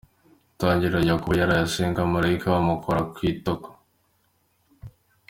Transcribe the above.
Itangiriro -; Yakobo yaraye asenga, malayika amukora ku itako.